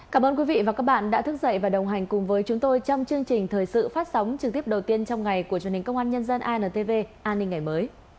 cảm ơn quý vị và các bạn đã thức dậy và đồng hành cùng với chúng tôi trong chương trình thời sự phát sóng trực tiếp đầu tiên trong ngày của truyền hình công an nhân dân intv an ninh ngày mới